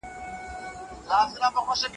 چي په خوله وایم جانان بس رقیب هم را په زړه